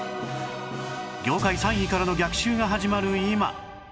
業界３位からの逆襲が始まる今